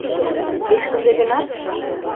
— Кеч-кузе гынат?